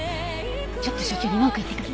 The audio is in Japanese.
ちょっと所長に文句言ってくる。